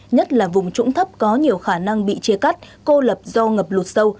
nhất là vùng trũng thấp có nhiều khả năng bị chia cắt cô lập do ngập lụt sâu